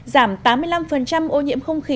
giảm tám mươi năm ô nhiễm không khí